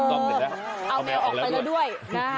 เอาแมวออกไปแล้วด้วยนะ